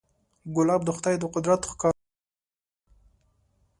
ګلاب د خدای د قدرت ښکارندوی دی.